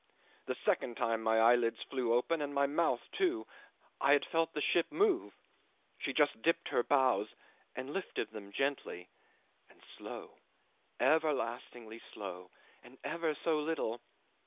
The second time my eyelids flew open and my mouth too. I had felt the ship move. She just dipped her bows and lifted them gently and slow! everlastingly slow; and ever so little.